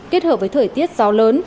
kết hợp với thời tiết gió lớn